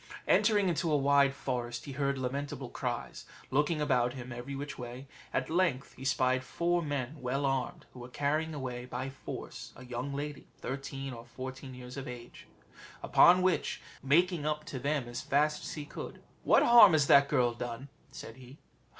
Entering into a wide forest, he heard lamentable cries. Looking about him every way, at length he spied four men well armed, who were carrying away by force a young lady, thirteen or fourteen years of age; upon which, making up to them as fast as he could, "What harm has that girl done?" said he.